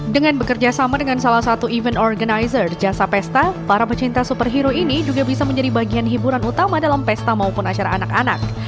dengan bekerja sama dengan salah satu event organizer jasa pesta para pecinta superhero ini juga bisa menjadi bagian hiburan utama dalam pesta maupun acara anak anak